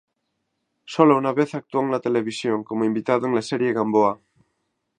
Sólo una vez actuó en la televisión, como invitado en la serie "Gamboa".